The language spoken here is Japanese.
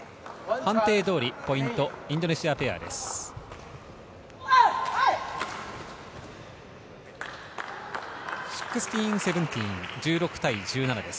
判定通り、ポイントはインドネシアペアです。